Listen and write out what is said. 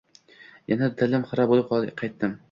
Yana dilim xira boʻlib qaytdim.